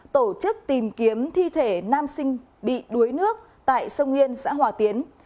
tổ chức tìm kiếm thi thể nam sinh bị đuối nước tại sông yên xã hòa tiến